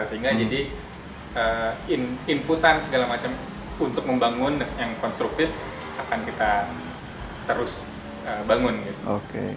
sehingga jadi inputan segala macam untuk membangun yang konstruktif akan kita terus bangun gitu